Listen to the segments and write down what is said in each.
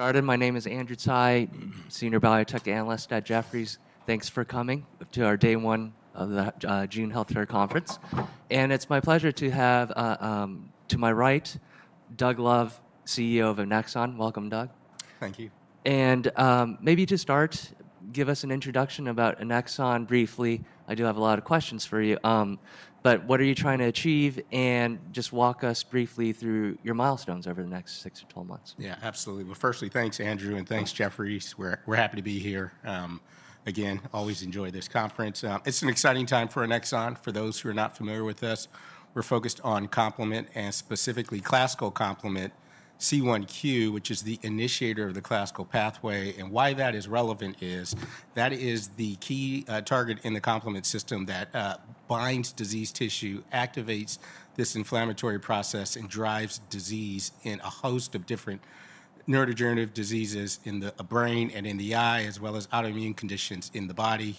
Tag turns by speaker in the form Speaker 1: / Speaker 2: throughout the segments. Speaker 1: Started. My name is Andrew Tsai, Senior Biotech Analyst at Jefferies. Thanks for coming to our day one of the June Healthcare Conference. It's my pleasure to have, to my right, Doug Love, CEO of Annexon. Welcome, Doug.
Speaker 2: Thank you.
Speaker 1: Maybe to start, give us an introduction about Annexon briefly. I do have a lot of questions for you, but what are you trying to achieve? Just walk us briefly through your milestones over the next six to 12 months.
Speaker 2: Yeah, absolutely. Firstly, thanks, Andrew, and thanks, Jefferies. We're happy to be here. Again, always enjoy this conference. It's an exciting time for Annexon. For those who are not familiar with us, we're focused on complement, and specifically classical complement C1q, which is the initiator of the classical pathway. Why that is relevant is that it is the key target in the complement system that binds disease tissue, activates this inflammatory process, and drives disease in a host of different neurodegenerative diseases in the brain and in the eye, as well as autoimmune conditions in the body.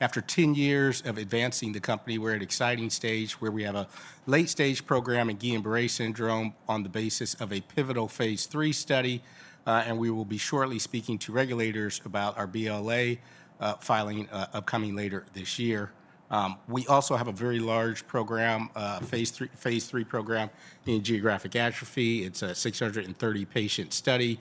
Speaker 2: After 10 years of advancing the company, we're at an exciting stage where we have a late-stage program in Guillain-Barré syndrome on the basis of a pivotal phase III study. We will be shortly speaking to regulators about our BLA filing upcoming later this year. We also have a very large program, phase III program in geographic atrophy. It is a 630-patient study.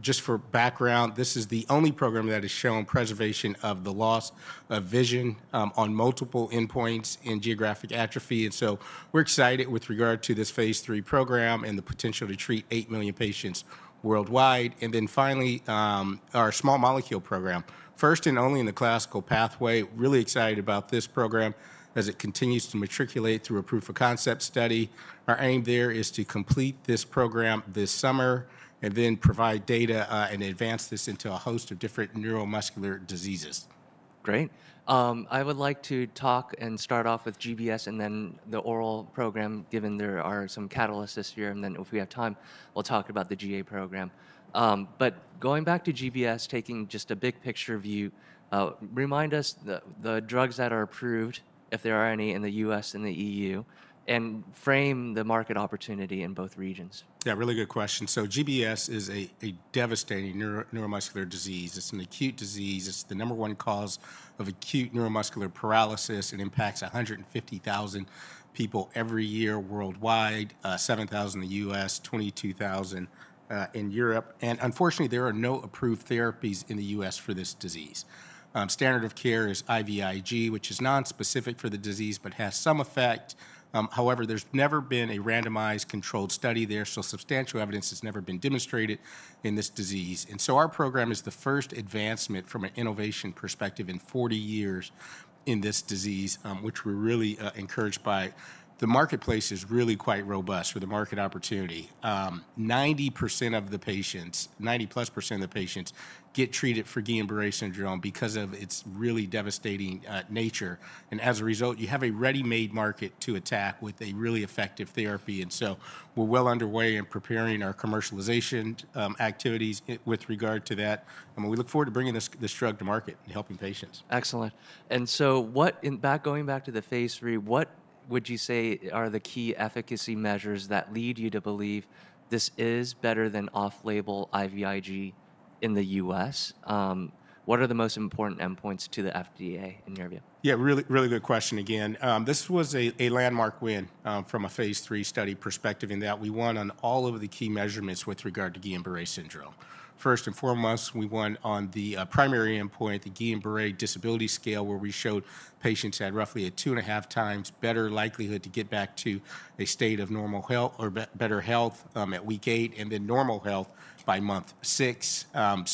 Speaker 2: Just for background, this is the only program that has shown preservation of the loss of vision on multiple endpoints in geographic atrophy. We are excited with regard to this phase III program and the potential to treat 8 million patients worldwide. Finally, our small molecule program, first and only in the classical pathway. Really excited about this program as it continues to matriculate through a proof of concept study. Our aim there is to complete this program this summer and then provide data and advance this into a host of different neuromuscular diseases.
Speaker 1: Great. I would like to talk and start off with GBS and then the oral program, given there are some catalysts this year. If we have time, we'll talk about the GA program. Going back to GBS, taking just a big picture view, remind us the drugs that are approved, if there are any, in the U.S. and the EU, and frame the market opportunity in both regions.
Speaker 2: Yeah, really good question. GBS is a devastating neuromuscular disease. It's an acute disease. It's the number one cause of acute neuromuscular paralysis. It impacts 150,000 people every year worldwide, 7,000 in the U.S., 22,000 in Europe. Unfortunately, there are no approved therapies in the U.S. for this disease. Standard of care is IVIG, which is nonspecific for the disease but has some effect. However, there's never been a randomized controlled study there, so substantial evidence has never been demonstrated in this disease. Our program is the first advancement from an innovation perspective in 40 years in this disease, which we're really encouraged by. The marketplace is really quite robust for the market opportunity. 90% of the patients, 90%+ of the patients, get treated for Guillain-Barré syndrome because of its really devastating nature. You have a ready-made market to attack with a really effective therapy. We are well underway in preparing our commercialization activities with regard to that. We look forward to bringing this drug to market and helping patients.
Speaker 1: Excellent. Going back to the phase III, what would you say are the key efficacy measures that lead you to believe this is better than off-label IVIG in the U.S.? What are the most important endpoints to the FDA in your view?
Speaker 2: Yeah, really good question again. This was a landmark win from a phase III study perspective in that we won on all of the key measurements with regard to Guillain-Barré syndrome. First and foremost, we won on the primary endpoint, the Guillain-Barré disability scale, where we showed patients had roughly a two-and-a-half times better likelihood to get back to a state of normal health or better health at week eight, and then normal health by month six.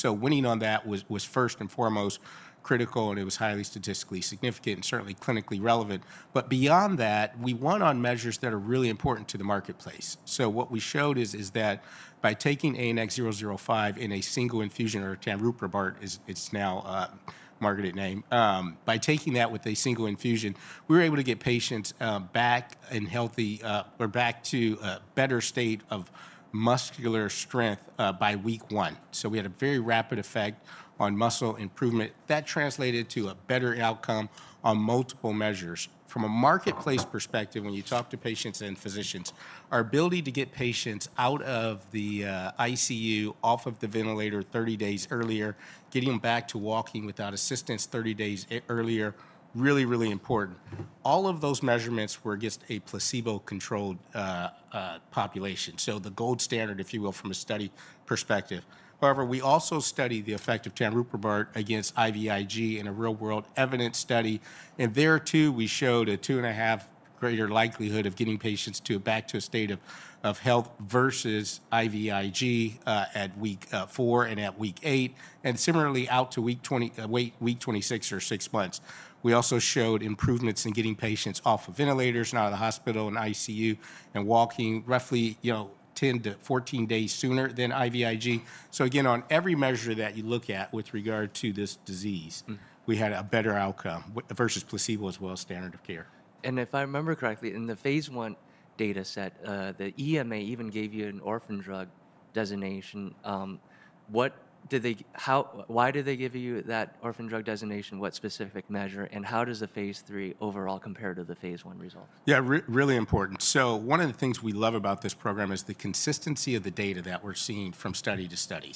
Speaker 2: Winning on that was first and foremost critical, and it was highly statistically significant and certainly clinically relevant. Beyond that, we won on measures that are really important to the marketplace. What we showed is that by taking ANX005 in a single infusion, or tanruprubart is its now marketed name, by taking that with a single infusion, we were able to get patients back in healthy or back to a better state of muscular strength by week one. We had a very rapid effect on muscle improvement. That translated to a better outcome on multiple measures. From a marketplace perspective, when you talk to patients and physicians, our ability to get patients out of the ICU, off of the ventilator 30 days earlier, getting them back to walking without assistance 30 days earlier, really, really important. All of those measurements were against a placebo-controlled population, so the gold standard, if you will, from a study perspective. However, we also studied the effect of tanruprubart against IVIG in a real-world evidence study. There, too, we showed a two-and-a-half greater likelihood of getting patients back to a state of health versus IVIG at week four and at week eight, and similarly out to week 26 or six months. We also showed improvements in getting patients off of ventilators, not in the hospital and ICU, and walking roughly 10-14 days sooner than IVIG. Again, on every measure that you look at with regard to this disease, we had a better outcome versus placebo as well as standard of care.
Speaker 1: If I remember correctly, in the phase I data set, the EMA even gave you an orphan drug designation. Why did they give you that orphan drug designation? What specific measure? How does the phase III overall compare to the phase I result?
Speaker 2: Yeah, really important. One of the things we love about this program is the consistency of the data that we're seeing from study to study.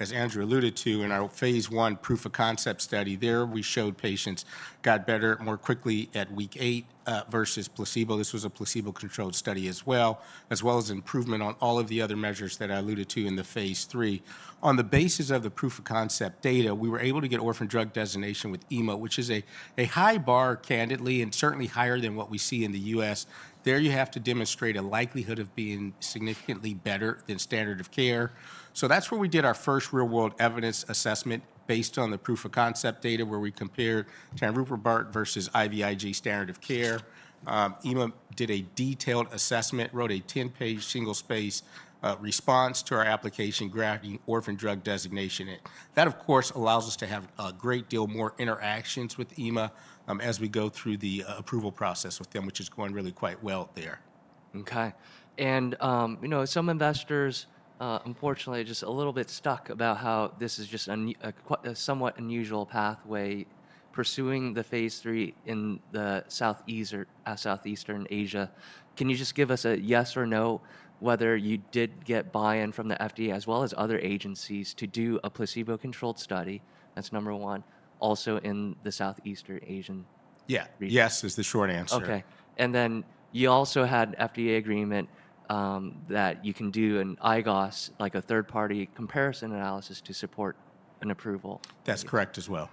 Speaker 2: As Andrew alluded to in our phase I proof of concept study, there we showed patients got better more quickly at week eight versus placebo. This was a placebo-controlled study as well, as well as improvement on all of the other measures that I alluded to in the phase III. On the basis of the proof of concept data, we were able to get orphan drug designation with EMA, which is a high bar, candidly, and certainly higher than what we see in the U.S. There you have to demonstrate a likelihood of being significantly better than standard of care. That's where we did our first real-world evidence assessment based on the proof of concept data where we compared tanruprubart versus IVIG standard of care. EMA did a detailed assessment, wrote a 10-page single-space response to our application granting orphan drug designation. That, of course, allows us to have a great deal more interactions with EMA as we go through the approval process with them, which is going really quite well there.
Speaker 1: Okay. Some investors, unfortunately, are just a little bit stuck about how this is just a somewhat unusual pathway pursuing the phase III in Southeast Asia. Can you just give us a yes or no whether you did get buy-in from the FDA as well as other agencies to do a placebo-controlled study? That's number one. Also in the Southeast Asian region.
Speaker 2: Yeah, yes is the short answer.
Speaker 1: Okay. You also had FDA agreement that you can do an IGOS, like a third-party comparison analysis to support an approval.
Speaker 2: That's correct as well.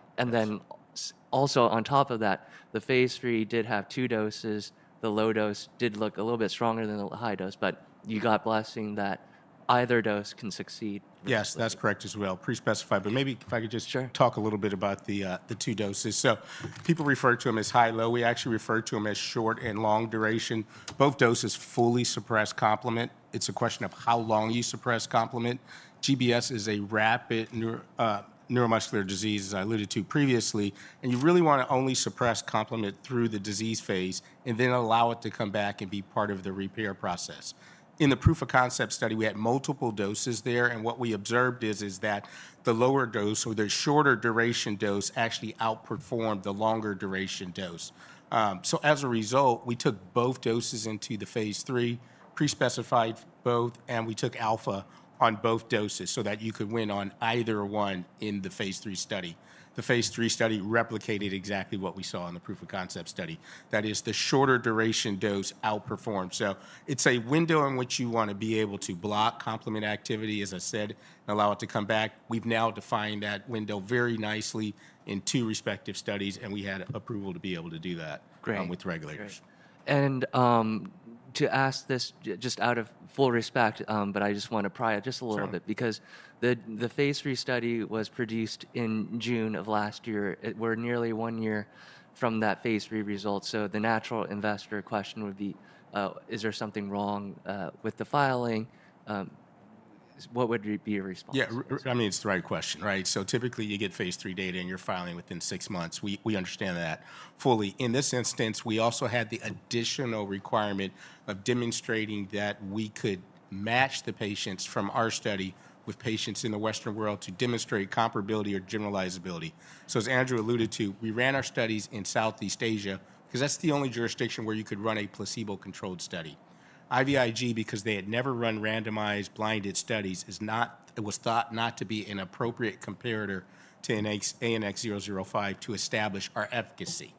Speaker 1: Also, on top of that, the phase III did have two doses. The low dose did look a little bit stronger than the high dose, but you got blessing that either dose can succeed.
Speaker 2: Yes, that's correct as well. Pre-specified. Maybe if I could just talk a little bit about the two doses. People refer to them as high-low. We actually refer to them as short and long duration. Both doses fully suppress complement. It's a question of how long you suppress complement. GBS is a rapid neuromuscular disease, as I alluded to previously. You really want to only suppress complement through the disease phase and then allow it to come back and be part of the repair process. In the proof of concept study, we had multiple doses there. What we observed is that the lower dose or the shorter duration dose actually outperformed the longer duration dose. As a result, we took both doses into the phase III, pre-specified both, and we took alpha on both doses so that you could win on either one in the phase III study. The phase III study replicated exactly what we saw in the proof of concept study. That is, the shorter duration dose outperformed. It is a window in which you want to be able to block complement activity, as I said, and allow it to come back. We have now defined that window very nicely in two respective studies, and we had approval to be able to do that with regulators.
Speaker 1: To ask this just out of full respect, but I just want to pry it just a little bit because the phase III study was produced in June of last year. We're nearly one year from that phase III result. The natural investor question would be, is there something wrong with the filing? What would be your response?
Speaker 2: Yeah, I mean, it's the right question, right? Typically, you get phase III data and you're filing within six months. We understand that fully. In this instance, we also had the additional requirement of demonstrating that we could match the patients from our study with patients in the Western world to demonstrate comparability or generalizability. As Andrew alluded to, we ran our studies in Southeast Asia because that's the only jurisdiction where you could run a placebo-controlled study. IVIG, because they had never run randomized blinded studies, was thought not to be an appropriate comparator to ANX005 to establish our efficacy.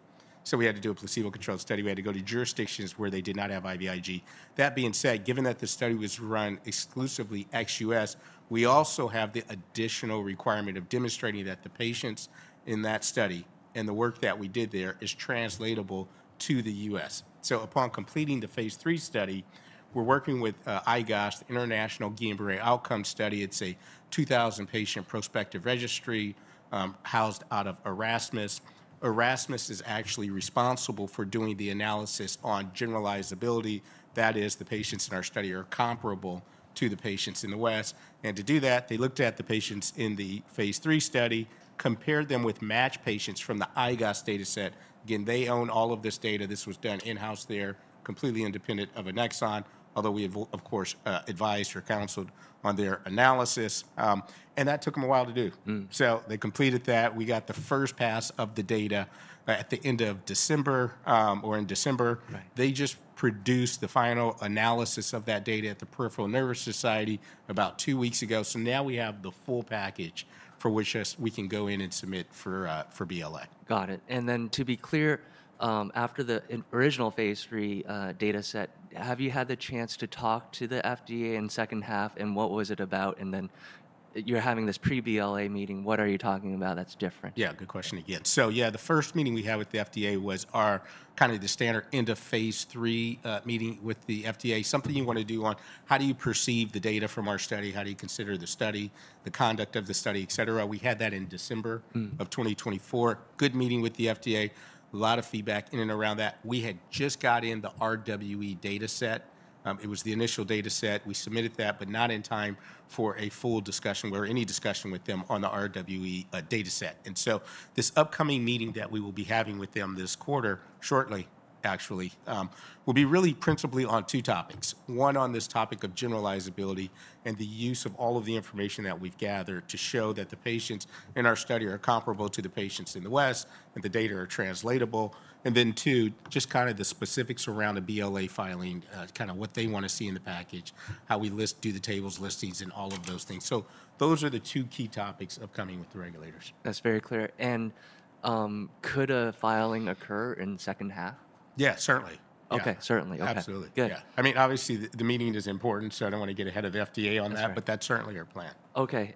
Speaker 2: We had to do a placebo-controlled study. We had to go to jurisdictions where they did not have IVIG. That being said, given that the study was run exclusively ex U.S., we also have the additional requirement of demonstrating that the patients in that study and the work that we did there is translatable to the U.S. Upon completing the phase III study, we're working with IGOS, the International Guillain-Barré Outcome Study. It's a 2,000-patient prospective registry housed out of Erasmus. Erasmus is actually responsible for doing the analysis on generalizability. That is, the patients in our study are comparable to the patients in the West. To do that, they looked at the patients in the phase III study, compared them with matched patients from the IGOS data set. Again, they own all of this data. This was done in-house there, completely independent of Annexon, although we have, of course, advised or counseled on their analysis. That took them a while to do. They completed that. We got the first pass of the data at the end of December or in December. They just produced the final analysis of that data at the Peripheral Nerve Society about two weeks ago. Now we have the full package for which we can go in and submit for BLA.
Speaker 1: Got it. To be clear, after the original phase III data set, have you had the chance to talk to the FDA in the second half, and what was it about? You are having this pre-BLA meeting. What are you talking about that is different?
Speaker 2: Yeah, good question again. Yeah, the first meeting we had with the FDA was our kind of the standard end of phase III meeting with the FDA, something you want to do on how do you perceive the data from our study, how do you consider the study, the conduct of the study, et cetera. We had that in December of 2024. Good meeting with the FDA. A lot of feedback in and around that. We had just got in the RWE data set. It was the initial data set. We submitted that, but not in time for a full discussion or any discussion with them on the RWE data set. This upcoming meeting that we will be having with them this quarter, shortly, actually, will be really principally on two topics, one on this topic of generalizability and the use of all of the information that we've gathered to show that the patients in our study are comparable to the patients in the West and the data are translatable. Then two, just kind of the specifics around the BLA filing, kind of what they want to see in the package, how we do the tables, listings, and all of those things. Those are the two key topics upcoming with the regulators.
Speaker 1: That's very clear. Could a filing occur in the second half?
Speaker 2: Yeah, certainly.
Speaker 1: Okay, certainly. Okay.
Speaker 2: Absolutely. Yeah. I mean, obviously, the meeting is important, so I don't want to get ahead of the FDA on that, but that's certainly our plan.
Speaker 1: Okay.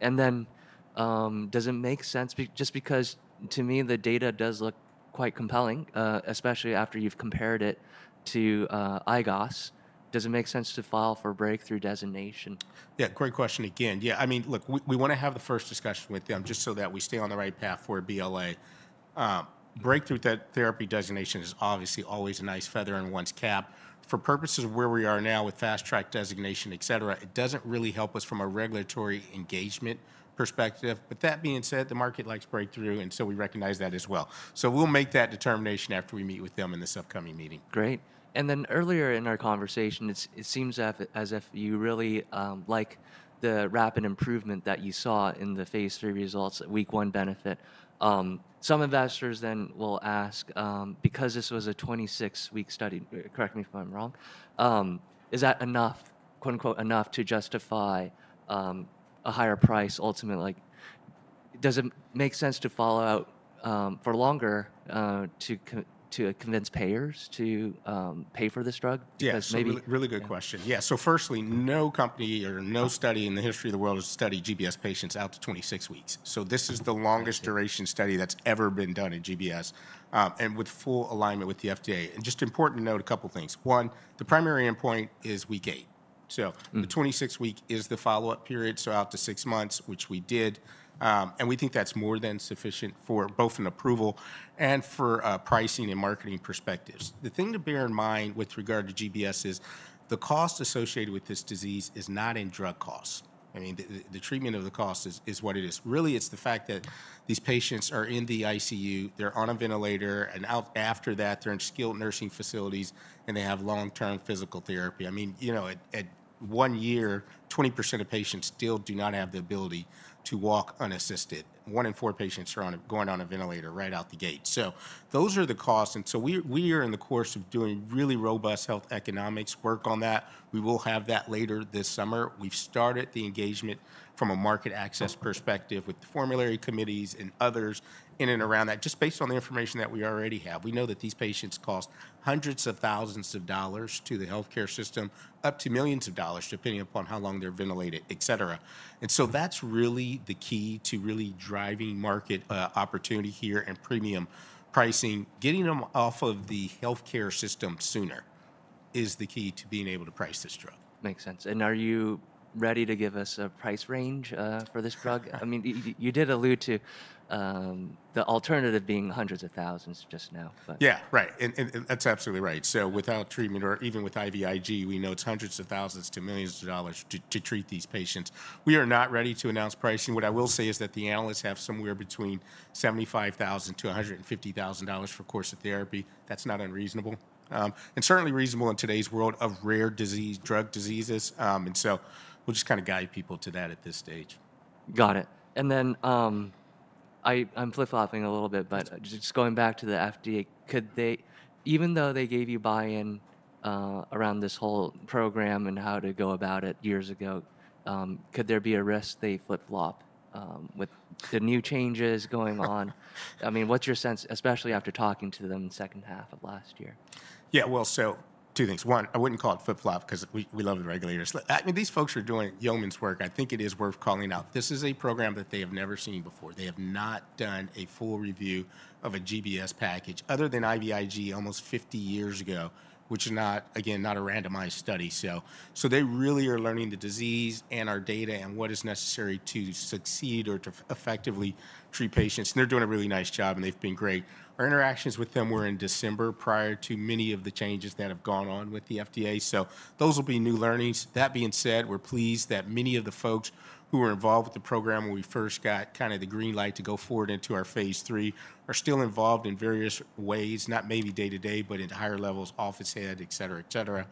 Speaker 1: Does it make sense just because to me, the data does look quite compelling, especially after you've compared it to IGOS? Does it make sense to file for breakthrough designation?
Speaker 2: Yeah, great question again. Yeah, I mean, look, we want to have the first discussion with them just so that we stay on the right path for BLA. Breakthrough therapy designation is obviously always a nice feather in one's cap. For purposes of where we are now with fast-track designation, et cetera, it does not really help us from a regulatory engagement perspective. That being said, the market likes breakthrough, and so we recognize that as well. We will make that determination after we meet with them in this upcoming meeting.
Speaker 1: Great. Earlier in our conversation, it seems as if you really like the rapid improvement that you saw in the phase III results, week one benefit. Some investors then will ask, because this was a 26-week study, correct me if I'm wrong, is that enough, quote-unquote, "enough to justify a higher price ultimately"? Does it make sense to follow out for longer to convince payers to pay for this drug?
Speaker 2: Yeah, really good question. Yeah. Firstly, no company or no study in the history of the world has studied GBS patients out to 26 weeks. This is the longest duration study that's ever been done in GBS and with full alignment with the FDA. Just important to note a couple of things. One, the primary endpoint is week eight. The 26-week is the follow-up period, so out to six months, which we did. We think that's more than sufficient for both an approval and for pricing and marketing perspectives. The thing to bear in mind with regard to GBS is the cost associated with this disease is not in drug costs. I mean, the treatment of the cost is what it is. Really, it's the fact that these patients are in the ICU. They're on a ventilator. After that, they're in skilled nursing facilities, and they have long-term physical therapy. I mean, at one year, 20% of patients still do not have the ability to walk unassisted. One in four patients are going on a ventilator right out the gate. Those are the costs. We are in the course of doing really robust health economics work on that. We will have that later this summer. We've started the engagement from a market access perspective with the formulary committees and others in and around that, just based on the information that we already have. We know that these patients cost hundreds of thousands of dollars to the healthcare system, up to millions of dollars, depending upon how long they're ventilated, et cetera. That's really the key to really driving market opportunity here and premium pricing. Getting them off of the healthcare system sooner is the key to being able to price this drug.
Speaker 1: Makes sense. Are you ready to give us a price range for this drug? I mean, you did allude to the alternative being hundreds of thousands just now, but.
Speaker 2: Yeah, right. And that's absolutely right. So without treatment or even with IVIG, we know it's hundreds of thousands to millions of dollars to treat these patients. We are not ready to announce pricing. What I will say is that the analysts have somewhere between $75,000-$150,000 for a course of therapy. That's not unreasonable and certainly reasonable in today's world of rare drug diseases. And so we'll just kind of guide people to that at this stage.
Speaker 1: Got it. I'm flip-flopping a little bit, but just going back to the FDA, even though they gave you buy-in around this whole program and how to go about it years ago, could there be a risk they flip-flop with the new changes going on? I mean, what's your sense, especially after talking to them in the second half of last year?
Speaker 2: Yeah, so two things. One, I wouldn't call it flip-flop because we love the regulators. I mean, these folks are doing yeoman's work. I think it is worth calling out. This is a program that they have never seen before. They have not done a full review of a GBS package other than IVIG almost 50 years ago, which is not, again, not a randomized study. They really are learning the disease and our data and what is necessary to succeed or to effectively treat patients. They're doing a really nice job, and they've been great. Our interactions with them were in December prior to many of the changes that have gone on with the FDA. Those will be new learnings. That being said, we're pleased that many of the folks who were involved with the program when we first got kind of the green light to go forward into our phase III are still involved in various ways, not maybe day-to-day, but at higher levels, office head, et cetera, et cetera.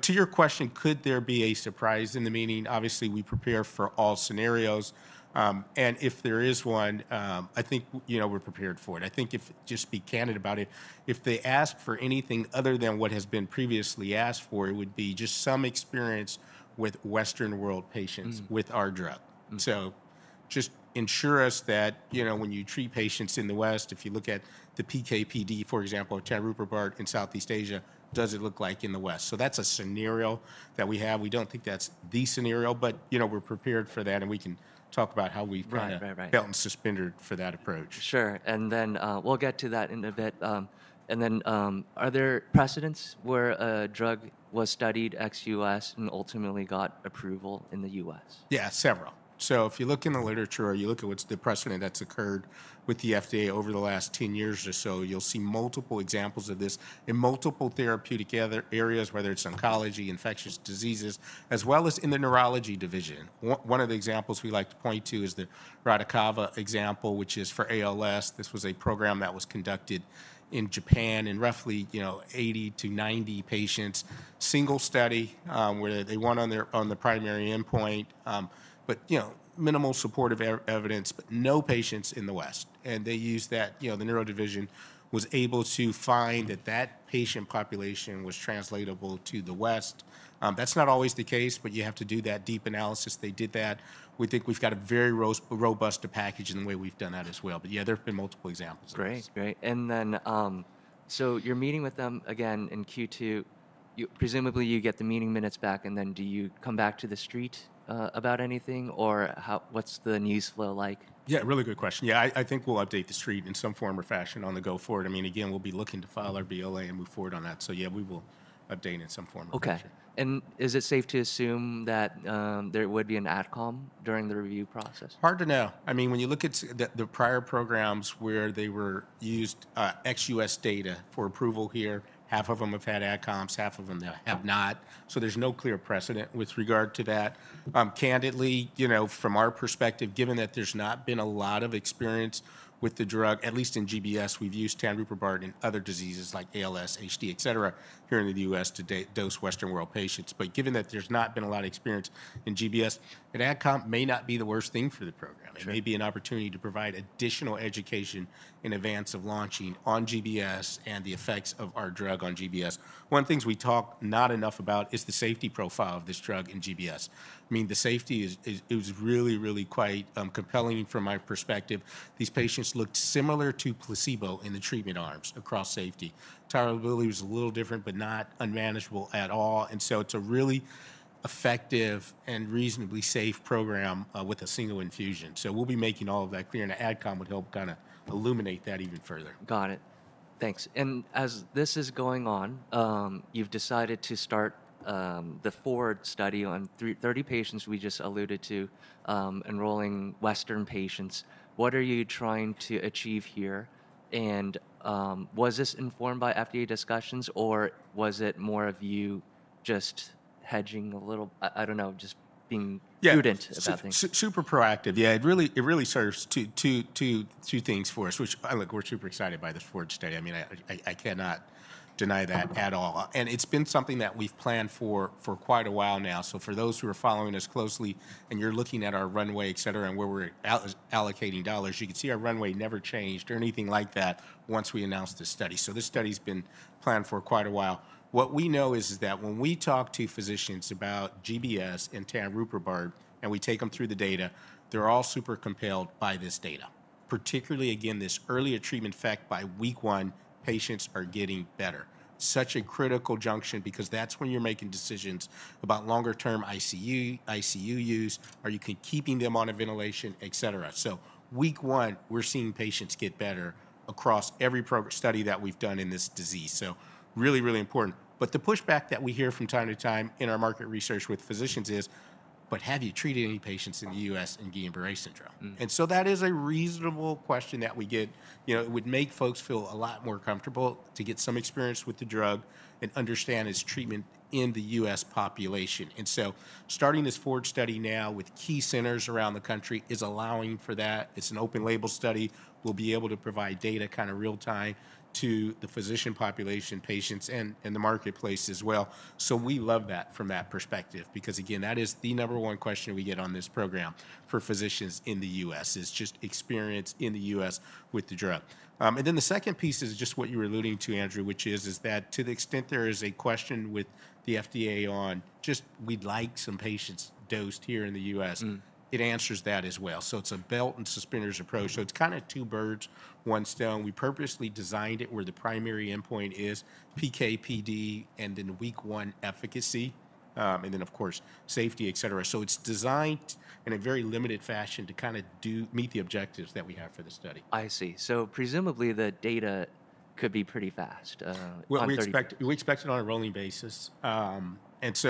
Speaker 2: To your question, could there be a surprise in the meeting? Obviously, we prepare for all scenarios. If there is one, I think we're prepared for it. I think if, just to be candid about it, if they ask for anything other than what has been previously asked for, it would be just some experience with Western world patients with our drug. Just ensure us that when you treat patients in the West, if you look at the PKPD, for example, at tanruprubart in Southeast Asia, does it look like in the West? That's a scenario that we have. We don't think that's the scenario, but we're prepared for that, and we can talk about how we've kind of belt and suspended for that approach.
Speaker 1: Sure. And then we'll get to that in a bit. And then are there precedents where a drug was studied ex U.S. and ultimately got approval in the U.S.?
Speaker 2: Yeah, several. If you look in the literature or you look at what's the precedent that's occurred with the FDA over the last 10 years or so, you'll see multiple examples of this in multiple therapeutic areas, whether it's oncology, infectious diseases, as well as in the neurology division. One of the examples we like to point to is the RADICAVA example, which is for ALS. This was a program that was conducted in Japan in roughly 80-90 patients, single study where they went on the primary endpoint, but minimal supportive evidence, but no patients in the West. They used that. The neuro division was able to find that that patient population was translatable to the West. That's not always the case, but you have to do that deep analysis. They did that. We think we've got a very robust package in the way we've done that as well. Yeah, there have been multiple examples.
Speaker 1: Great, great. And then so you're meeting with them again in Q2. Presumably, you get the meeting minutes back, and then do you come back to the street about anything or what's the news flow like?
Speaker 2: Yeah, really good question. Yeah, I think we'll update the street in some form or fashion on the go forward. I mean, again, we'll be looking to file our BLA and move forward on that. Yeah, we will update in some form or fashion.
Speaker 1: Okay. Is it safe to assume that there would be an adcom during the review process?
Speaker 2: Hard to know. I mean, when you look at the prior programs where they were used ex-U.S. data for approval here, half of them have had adcoms, half of them have not. There is no clear precedent with regard to that. Candidly, from our perspective, given that there has not been a lot of experience with the drug, at least in GBS, we have used tanruprubart in other diseases like ALS, HD, et cetera, here in the U.S. to dose Western world patients. Given that there has not been a lot of experience in GBS, an adcom may not be the worst thing for the program. It may be an opportunity to provide additional education in advance of launching on GBS and the effects of our drug on GBS. One of the things we talk not enough about is the safety profile of this drug in GBS. I mean, the safety is really, really quite compelling from my perspective. These patients looked similar to placebo in the treatment arms across safety. Tolerability was a little different, but not unmanageable at all. It is a really effective and reasonably safe program with a single infusion. We will be making all of that clear, and an adcom would help kind of illuminate that even further.
Speaker 1: Got it. Thanks. As this is going on, you've decided to start the FORWARD study on 30 patients we just alluded to, enrolling Western patients. What are you trying to achieve here? Was this informed by FDA discussions, or was it more of you just hedging a little, I don't know, just being prudent about things?
Speaker 2: Yeah, super proactive. Yeah, it really serves two things for us, which I look, we're super excited by the Ford study. I mean, I cannot deny that at all. It has been something that we've planned for quite a while now. For those who are following us closely and you're looking at our runway, et cetera, and where we're allocating dollars, you can see our runway never changed or anything like that once we announced this study. This study has been planned for quite a while. What we know is that when we talk to physicians about GBS and tanruprubart and we take them through the data, they're all super compelled by this data, particularly, again, this earlier treatment effect by week one, patients are getting better. Such a critical junction because that's when you're making decisions about longer-term ICU use, are you keeping them on a ventilation, et cetera. Week one, we're seeing patients get better across every study that we've done in this disease. Really, really important. The pushback that we hear from time to time in our market research with physicians is, but have you treated any patients in the U.S. in Guillain-Barré syndrome? That is a reasonable question that we get. It would make folks feel a lot more comfortable to get some experience with the drug and understand its treatment in the U.S. population. Starting this FORWARD study now with key centers around the country is allowing for that. It's an open-label study. We'll be able to provide data kind of real-time to the physician population, patients, and the marketplace as well. We love that from that perspective because, again, that is the number one question we get on this program for physicians in the U.S. is just experience in the U.S. with the drug. The second piece is just what you were alluding to, Andrew, which is that to the extent there is a question with the FDA on just, we'd like some patients dosed here in the U.S., it answers that as well. It is a belt and suspenders approach. It is kind of two birds, one stone. We purposely designed it where the primary endpoint is PKPD and then week one efficacy and then, of course, safety, et cetera. It is designed in a very limited fashion to kind of meet the objectives that we have for the study.
Speaker 1: I see. So presumably the data could be pretty fast.
Speaker 2: We expect it on a rolling basis. If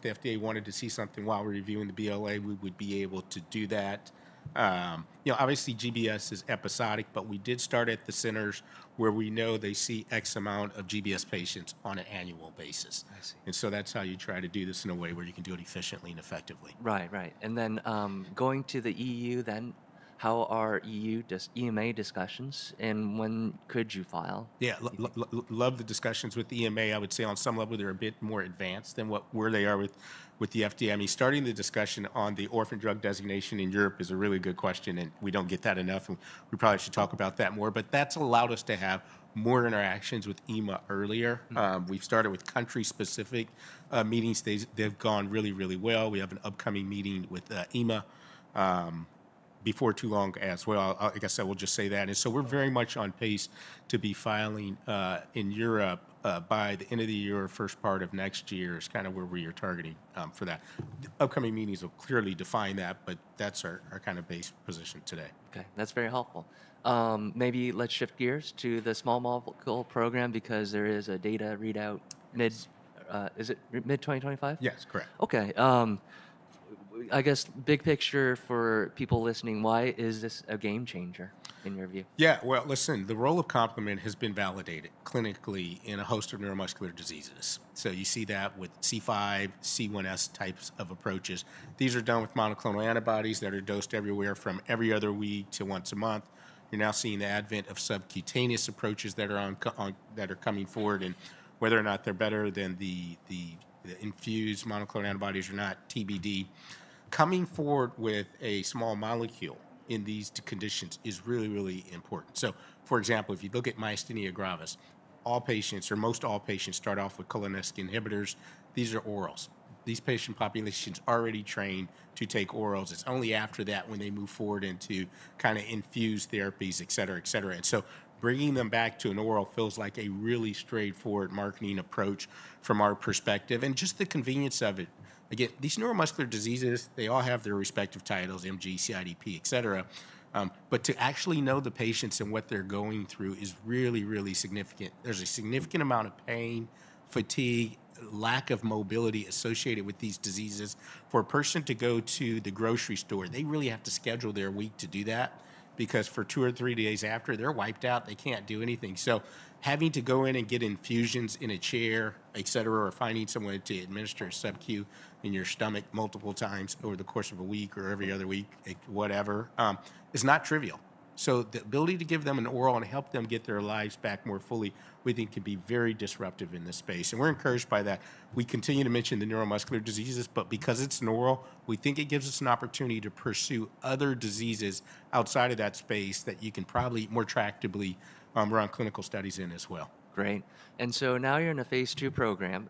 Speaker 2: the FDA wanted to see something while we're reviewing the BLA, we would be able to do that. Obviously, GBS is episodic, but we did start at the centers where we know they see x amount of GBS patients on an annual basis. That is how you try to do this in a way where you can do it efficiently and effectively.
Speaker 1: Right, right. Going to the EU then, how are EU EMA discussions and when could you file?
Speaker 2: Yeah, love the discussions with the EMA. I would say on some level, they're a bit more advanced than where they are with the FDA. I mean, starting the discussion on the orphan drug designation in Europe is a really good question, and we don't get that enough, and we probably should talk about that more. That's allowed us to have more interactions with EMA earlier. We've started with country-specific meetings. They've gone really, really well. We have an upcoming meeting with EMA before too long as well. Like I said, we'll just say that. We are very much on pace to be filing in Europe by the end of the year, first part of next year is kind of where we are targeting for that. Upcoming meetings will clearly define that, but that's our kind of base position today.
Speaker 1: Okay. That's very helpful. Maybe let's shift gears to the small molecule program because there is a data readout mid-2025.
Speaker 2: Yes, correct.
Speaker 1: Okay. I guess big picture for people listening, why is this a game changer in your view?
Speaker 2: Yeah, listen, the role of complement has been validated clinically in a host of neuromuscular diseases. You see that with C5, C1s types of approaches. These are done with monoclonal antibodies that are dosed everywhere from every other week to once a month. You're now seeing the advent of subcutaneous approaches that are coming forward and whether or not they're better than the infused monoclonal antibodies or not, TBD. Coming forward with a small molecule in these conditions is really, really important. For example, if you look at Myasthenia gravis, all patients or most all patients start off with cholinergic inhibitors. These are orals. These patient populations are already trained to take orals. It's only after that when they move forward into kind of infused therapies, et cetera, et cetera. Bringing them back to an oral feels like a really straightforward marketing approach from our perspective. Just the convenience of it. Again, these neuromuscular diseases, they all have their respective titles, MG, CIDP, et cetera. To actually know the patients and what they're going through is really, really significant. There's a significant amount of pain, fatigue, lack of mobility associated with these diseases. For a person to go to the grocery store, they really have to schedule their week to do that because for two or three days after, they're wiped out. They can't do anything. Having to go in and get infusions in a chair, et cetera, or finding someone to administer a Sub-Q in your stomach multiple times over the course of a week or every other week, whatever, is not trivial. The ability to give them an oral and help them get their lives back more fully, we think could be very disruptive in this space. We are encouraged by that. We continue to mention the neuromuscular diseases, but because it is an oral, we think it gives us an opportunity to pursue other diseases outside of that space that you can probably more tractably run clinical studies in as well.
Speaker 1: Great. You are in a phase II program.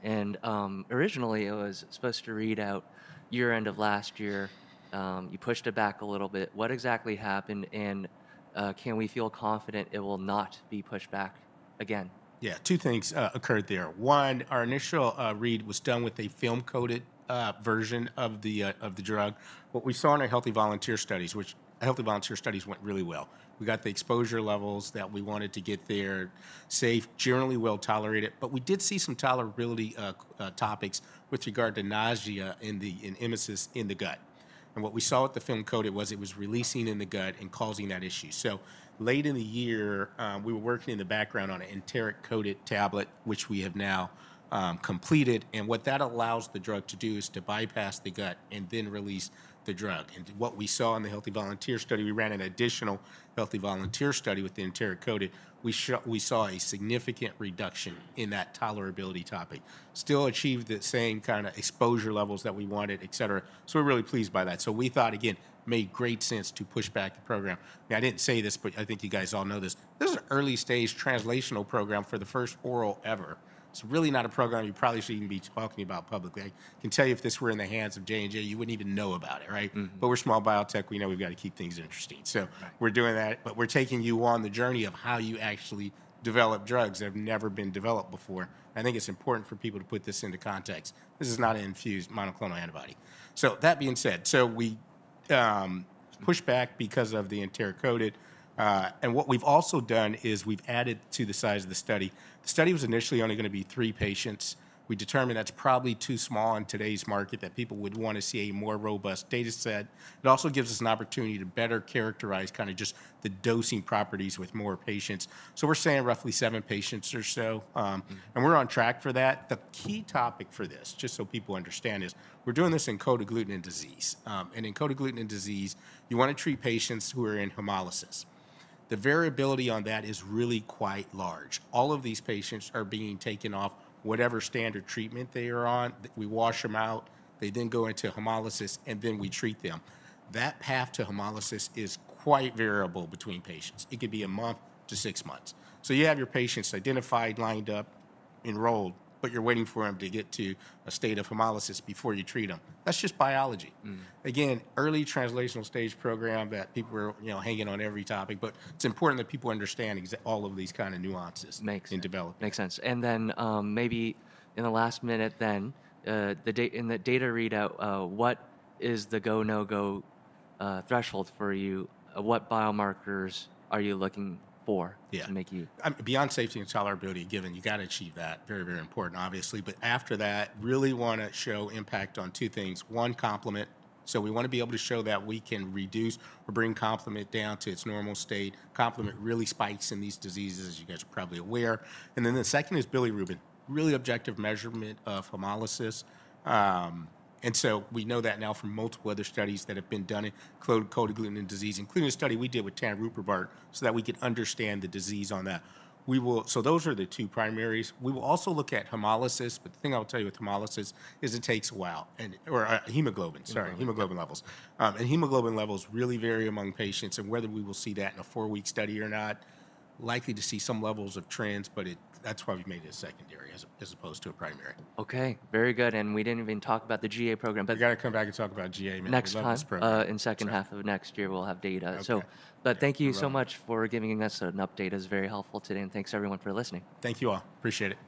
Speaker 1: Originally, it was supposed to read out year-end of last year. You pushed it back a little bit. What exactly happened? Can we feel confident it will not be pushed back again?
Speaker 2: Yeah, two things occurred there. One, our initial read was done with a film-coated version of the drug. What we saw in our healthy volunteer studies, which healthy volunteer studies went really well. We got the exposure levels that we wanted to get there, safe, generally well tolerated. We did see some tolerability topics with regard to nausea and emesis in the gut. What we saw with the film-coated was it was releasing in the gut and causing that issue. Late in the year, we were working in the background on an enteric-coated tablet, which we have now completed. What that allows the drug to do is to bypass the gut and then release the drug. What we saw in the healthy volunteer study, we ran an additional healthy volunteer study with the enteric-coated. We saw a significant reduction in that tolerability topic. Still achieved the same kind of exposure levels that we wanted, et cetera. We're really pleased by that. We thought, again, made great sense to push back the program. Now, I didn't say this, but I think you guys all know this. This is an early stage translational program for the first oral ever. It's really not a program you probably should even be talking about publicly. I can tell you if this were in the hands of J&J, you wouldn't even know about it, right? We're small biotech. We know we've got to keep things interesting. We're doing that, but we're taking you on the journey of how you actually develop drugs that have never been developed before. I think it's important for people to put this into context. This is not an infused monoclonal antibody. That being said, we pushed back because of the enteric-coated. What we've also done is we've added to the size of the study. The study was initially only going to be three patients. We determined that's probably too small in today's market that people would want to see a more robust data set. It also gives us an opportunity to better characterize kind of just the dosing properties with more patients. We're saying roughly seven patients or so. We're on track for that. The key topic for this, just so people understand, is we're doing this in cold agglutinin disease. In cold agglutinin disease, you want to treat patients who are in hemolysis. The variability on that is really quite large. All of these patients are being taken off whatever standard treatment they are on. We wash them out. They then go into hemolysis, and then we treat them. That path to hemolysis is quite variable between patients. It could be a month to six months. You have your patients identified, lined up, enrolled, but you're waiting for them to get to a state of hemolysis before you treat them. That's just biology. Again, early translational stage program that people were hanging on every topic, but it's important that people understand all of these kinds of nuances in development.
Speaker 1: Makes sense. Maybe in the last minute then, in the data readout, what is the go, no-go threshold for you? What biomarkers are you looking for to make you?
Speaker 2: Yeah, beyond safety and tolerability, given you got to achieve that, very, very important, obviously. After that, really want to show impact on two things. One, complement. We want to be able to show that we can reduce or bring complement down to its normal state. Complement really spikes in these diseases, as you guys are probably aware. The second is bilirubin, really objective measurement of hemolysis. We know that now from multiple other studies that have been done in cold agglutinin disease, including a study we did with Ted Yednock so that we could understand the disease on that. Those are the two primaries. We will also look at hemolysis, but the thing I'll tell you with hemolysis is it takes a while or hemoglobin, sorry, hemoglobin levels. Hemoglobin levels really vary among patients. Whether we will see that in a four-week study or not, likely to see some levels of trends, but that's why we've made it a secondary as opposed to a primary.
Speaker 1: Okay, very good. We did not even talk about the GA program, but.
Speaker 2: You got to come back and talk about GA in the next month.
Speaker 1: Next month. In the second half of next year, we'll have data. Thank you so much for giving us an update. It was very helpful today. Thanks everyone for listening.
Speaker 2: Thank you all. Appreciate it.